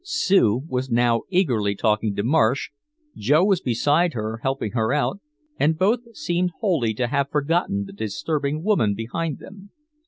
Sue was now eagerly talking to Marsh, Joe was beside her helping her out, and both seemed wholly to have forgotten the disturbing woman behind them.